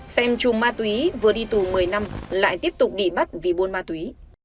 xem chùm ma túy vừa đi tù một mươi năm lại tiếp tục bị bắt vì buôn ma túy